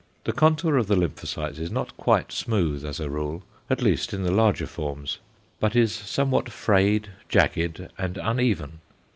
The contour of the lymphocytes is not quite smooth as a rule, at least in the larger forms, but is somewhat frayed, jagged, and uneven (Fig.